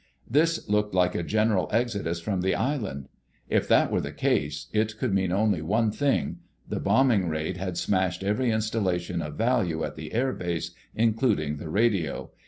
This looked like a general exodus from the island. If that were the case it could mean only one thing: The bombing raid had smashed every installation of value at the air base, including the radio.